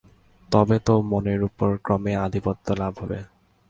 তবে তো মনের ওপর ক্রমে আধিপত্য লাভ হবে।